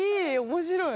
面白い。